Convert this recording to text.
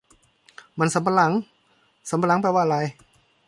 มันสำปะหลัง สำปะหลังแปลว่าอะไร